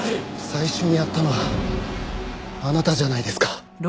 最初にやったのはあなたじゃないですか。